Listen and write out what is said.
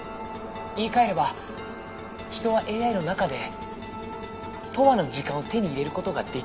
「言い換えれば人はＡＩの中で永遠の時間を手に入れる事ができるんです」